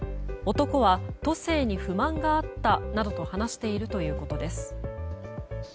男は、都政に不満があったなどと話しているということです。